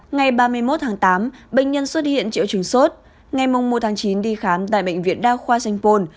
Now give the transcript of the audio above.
ngày ba mươi một tháng tám bệnh nhân xuất hiện triệu chứng sốt ngày một tháng chín đi khám tại bệnh viện đa khoa sanh pôn